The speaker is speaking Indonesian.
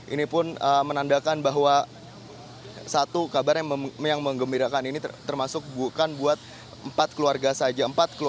ini pun menandakan bahwa satu kabar yang mengembirakan ini termasuk bukan buat empat keluarga saja